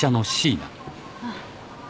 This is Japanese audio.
あっ。